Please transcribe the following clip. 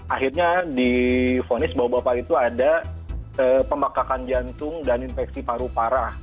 akhirnya difonis bahwa bapak itu ada pembekakan jantung dan infeksi paru parah